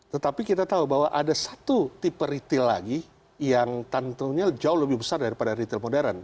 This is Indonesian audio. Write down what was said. tetapi kita tahu bahwa ada satu tipe retail lagi yang tentunya jauh lebih besar daripada retail modern